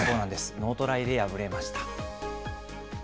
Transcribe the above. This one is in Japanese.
ノートライで敗れました。